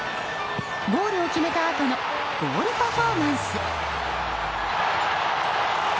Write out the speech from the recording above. ゴールを決めたあとのゴールパフォーマンス。